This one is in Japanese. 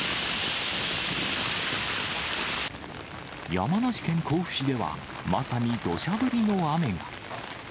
山梨県甲府市では、まさにどしゃ降りの雨が。